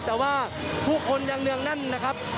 แต่ว่าผู้คนยังเนืองแน่นนะครับ